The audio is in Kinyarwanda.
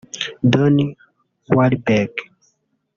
Donnie Wahlberg